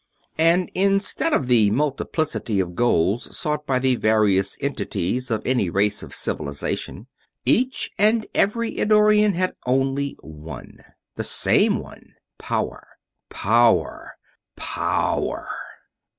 And, instead of the multiplicity of goals sought by the various entities of any race of Civilization, each and every Eddorian had only one. The same one: power. Power! P O W E R!!